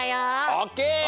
オッケー！